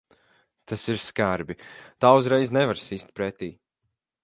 Tas ir skarbi. Tā uzreiz nevar sist pretī.